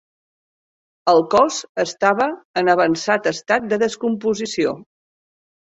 El cos estava en avançat estat de descomposició.